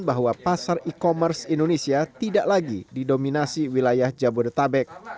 bahwa pasar e commerce indonesia tidak lagi didominasi wilayah jabodetabek